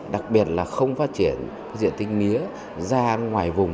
đặc biệt là không phát triển diện tích mía ra ngoài vùng